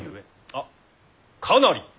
あっかなり。